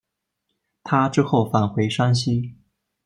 他之后返回山西。